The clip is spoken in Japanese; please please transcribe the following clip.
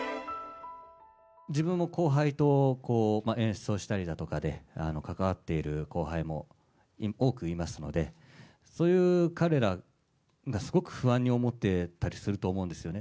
自分も後輩と演出をしたりだとかで関わっている後輩も多くいますので、そういう彼らがすごく不安に思ってたりすると思うんですよね。